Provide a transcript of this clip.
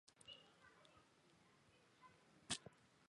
水电竞技场是苏格兰格拉斯哥的一个多用途室内竞技场。